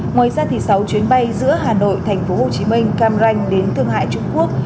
ngoài ra thì sáu chuyến bay giữa hà nội tp hcm cam ranh đến thương hải trung quốc